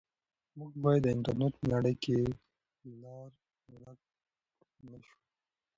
موږ باید د انټرنیټ په نړۍ کې لار ورک نه سو.